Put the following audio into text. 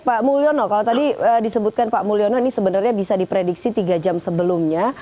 pak mulyono kalau tadi disebutkan pak mulyono ini sebenarnya bisa diprediksi tiga jam sebelumnya